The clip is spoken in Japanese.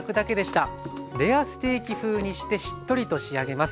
レアステーキ風にしてしっとりと仕上げます。